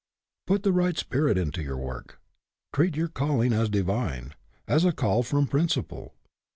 Put the right spirit into your work. Treat your calling as divine as a call from prin ciple.